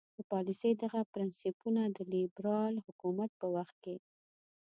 د پالیسۍ دغه پرنسیپونه د لیبرال حکومت په وخت کې.